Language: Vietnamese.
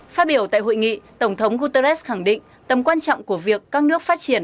phát biểu tại hội nghị tổng thống guterres khẳng định tầm quan trọng của việc các nước phát triển